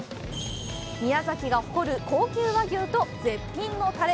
宮崎が誇る高級和牛と絶品のタレ！